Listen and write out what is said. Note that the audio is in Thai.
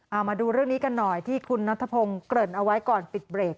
เอามาดูเรื่องนี้กันหน่อยที่คุณนัทพงศ์เกริ่นเอาไว้ก่อนปิดเบรก